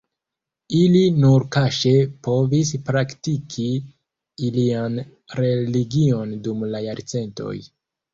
Ili nur kaŝe povis praktiki ilian religion dum la jarcentoj.